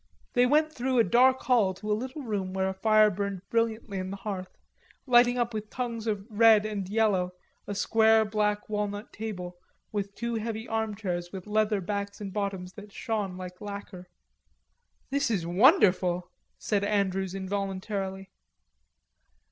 They went through a dark hall to a little room where a fire burned brilliantly in the hearth, lighting up with tongues of red and yellow a square black walnut table and two heavy armchairs with leather backs and bottoms that shone like lacquer. "This is wonderful," said Andrews involuntarily.